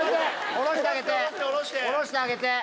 下ろしてあげて。